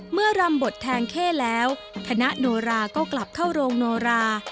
เมื่อรำบทแทงเค่แล้วธนโนราก็กลับเข้าโรงโนรา